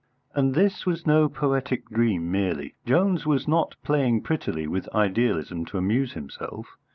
And this was no poetic dream merely. Jones was not playing prettily with idealism to amuse himself.